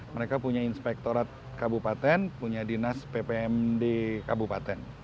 mereka punya inspektorat kabupaten punya dinas ppmd kabupaten